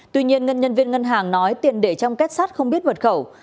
tuy nhiên nhân viên ngân hàng nói tiền để trong kết sắt không biết vật khẩu